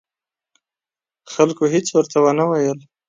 خلکو هېڅ ورته ونه ویل.